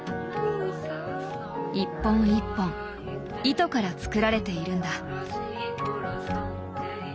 一本一本糸から作られているんだ。